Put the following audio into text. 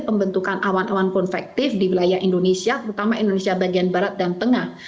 pembentukan awan awan konvektif di wilayah indonesia terutama indonesia bagian barat dan tengah